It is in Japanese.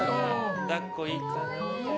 抱っこ、いいかな？